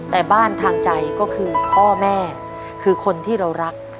แต่บ้านทางใจก็คือพ่อแม่คือคนที่เรารัก